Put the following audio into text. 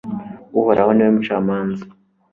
uhoraho ni we mucamanza